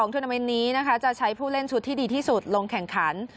๒ธุรกิจนามนี้จะใช้ผู้เล่นชุดที่ดีที่สุดลงแข่งขัน